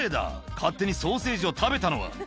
勝手にソーセージを食べたのは」